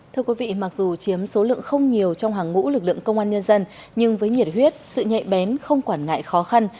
thưa quý vị mặc dù chiếm số lượng không nhiều trong hàng ngũ lực lượng công an nhân dân nhưng với nhiệt huyết sự nhạy bén không quản ngại khó khăn